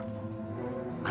jadi ibu harus sabar